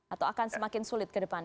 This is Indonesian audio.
atau akan semakin sulit ke depan